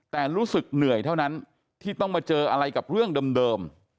แต่รู้สึกเหนื่อยเท่านั้นที่ต้องมาเจออะไรกับเรื่องเดิม